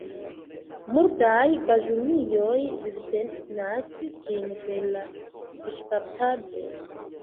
Multaj baĝunioj vivtenas sin per la fiŝkaptado.